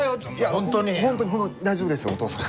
本当に本当に大丈夫ですお父さん。